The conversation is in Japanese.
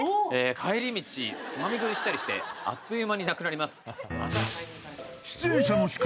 「帰り道つまみ食いしたりしてあっという間になくなります」